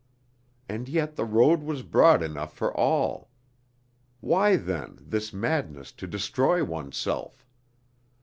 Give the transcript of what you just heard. And yet the road was broad enough for all. Why then this madness to destroy oneself?